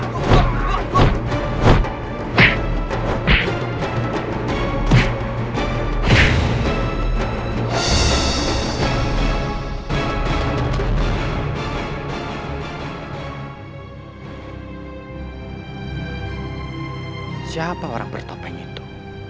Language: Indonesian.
siapa orang bertopeng itu